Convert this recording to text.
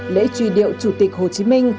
lễ truy điệu chủ tịch hồ chí minh